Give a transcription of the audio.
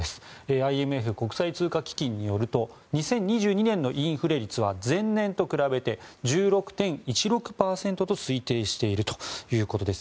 ＩＭＦ・国際通貨基金によると２０２２年のインフレ率は前年と比べて１６．１６％と推定しているということです。